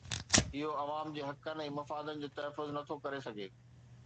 اهو عوام جي حقن ۽ مفادن جو تحفظ نٿو ڪري سگهي